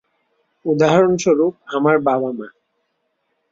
উদাহরণস্বরূপ, আমার বাবা-মা।